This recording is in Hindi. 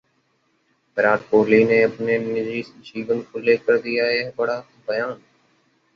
विराट कोहली ने अपने निजी जीवन को लेकर दिया यह बड़ा बयान